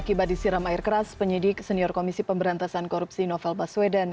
akibat disiram air keras penyidik senior komisi pemberantasan korupsi novel baswedan